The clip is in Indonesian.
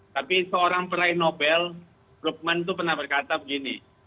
tapi seorang peraih nobel rukman itu pernah berkata begini